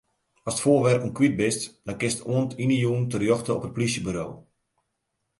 Ast foarwerpen kwyt bist, dan kinst oant yn 'e jûn terjochte op it plysjeburo.